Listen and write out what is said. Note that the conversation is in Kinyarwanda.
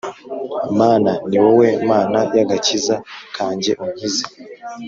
Mana ni wowe Mana y agakiza kanjye Unkize